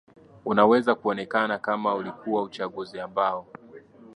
unaweza kuonekana kama ulikuwa uchaguzi ambao